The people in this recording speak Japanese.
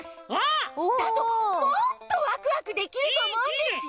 だともっとワクワクできるとおもうんですよ！